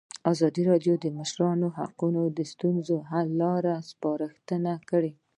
ازادي راډیو د د ماشومانو حقونه د ستونزو حل لارې سپارښتنې کړي.